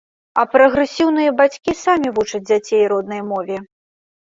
А прагрэсіўныя бацькі самі вучаць дзяцей роднай мове.